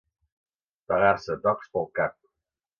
Pegar-se tocs pel cap.